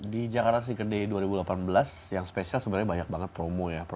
di jakarta seakan day dua ribu delapan belas yang spesial sebenarnya banyak banget promo ya